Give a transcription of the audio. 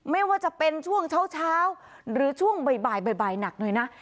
ไม่ว่าจะเป็นช่วงเช้าเช้าหรือช่วงบ่ายบ่ายบ่ายบ่ายหนักหน่อยนะ